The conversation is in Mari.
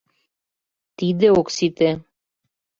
Тиде ок сите...